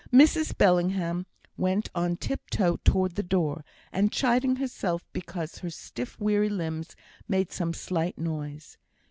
Mrs Bellingham went on tiptoe towards the door, and chiding herself because her stiff, weary limbs made some slight noise.